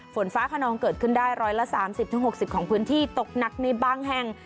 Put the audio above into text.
ฝนฟ้าขนองเกิดขึ้นได้๑๓๐๖๐ของพื้นที่ตกหนักในบางแห่ง